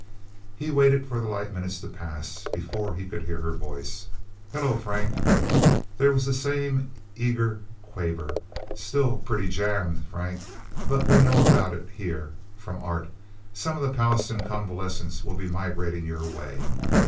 He waited for the light minutes to pass, before he could hear her voice. "Hello, Frank..." There was the same eager quaver. "Still pretty jammed, Frank... But we know about it here from Art... Some of the Pallastown convalescents will be migrating your way...